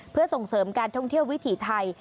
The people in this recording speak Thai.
เพื่อส่งเสริมการท่องเที่ยววิถีไทย